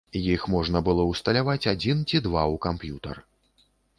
Іх можна было ўсталяваць адзін ці два ў камп'ютар.